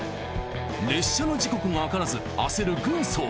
列車の時刻がわからず焦る軍曹。